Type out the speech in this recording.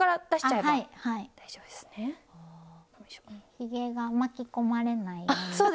ひげが巻き込まれないように。